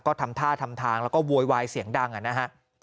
ก็ทำท่าทำทางแล้วก็โวยวายเสียงดังนะฮะ